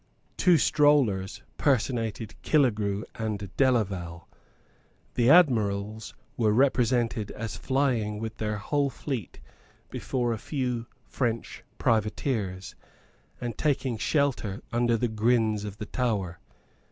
Two strollers personated Killegrew and Delaval. The Admirals were represented as flying with their whole fleet before a few French privateers, and taking shelter under the grins of the Tower.